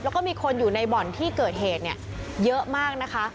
แล้วก็มีคนอยู่ในบ่อนที่เกิดเหตุเยอะมากนะคะ